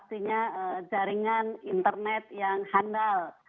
artinya jaringan internet yang handal